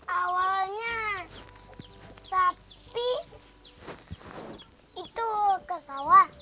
awalnya sapi itu ke sawah